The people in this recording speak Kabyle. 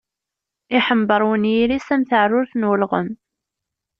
Iḥember unyir-is am taɛrurt n ulɣem.